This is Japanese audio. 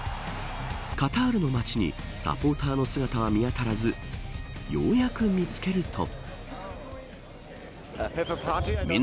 カタールの街にサポーターの姿は見当たらずようやく見つけると。